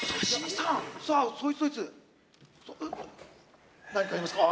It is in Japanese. さあそいつどいつ何かありますか？